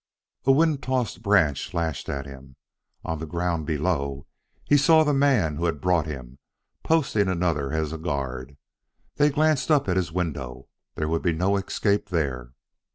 A wind tossed branch lashed at him. On the ground below he saw the man who had brought him, posting another as a guard. They glanced up at his window. There would be no escape there.